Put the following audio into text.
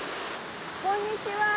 こんにちは。